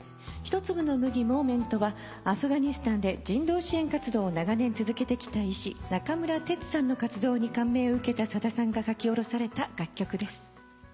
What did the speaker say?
『ひと粒の麦Ｍｏｍｅｎｔ』はアフガニスタンで人道支援活動を長年続けてきた医師中村哲さんの活動に感銘を受けたさださんが書き下ろされた楽曲です。